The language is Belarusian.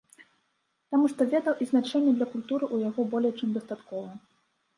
Таму што ведаў і значэння для культуры у яго болей чым дастаткова.